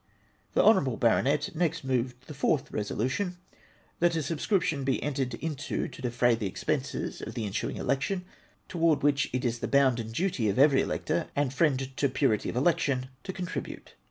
The Hon. Baronet next moved the fourth resolution :■— "That a subscription be entered into to defray the expenses of the ensuing election, toward which it is the bounden duty of every elector and friend to purity of election to contri bute."